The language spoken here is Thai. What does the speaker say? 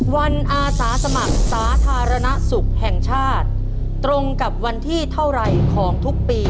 ตัวเลือกที่หนึ่ง๒๐กุมภาพันธ์